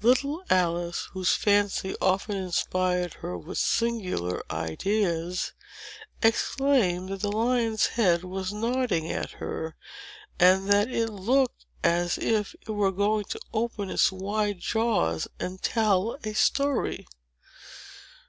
Little Alice, whose fancy often inspired her with singular ideas, exclaimed that the lion's head was nodding at her, and that it looked as if it were going to open its wide jaws and tell a story.